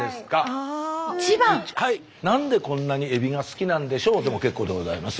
なんでこんなにエビが好きなんでしょうでも結構でございます。